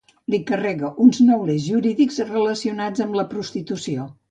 Li carrega uns neulers jurídics relacionats amb la prostitució.